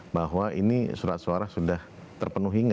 bahwa ini surat suara sudah terpenuhi